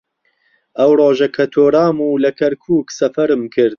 ئەو ڕۆژە کە تۆرام و لە کەرکووک سەفەرم کرد